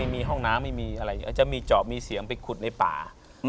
เป็นอะไรป่ะโรคอะไร